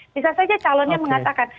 bisa saja calonnya mengatakan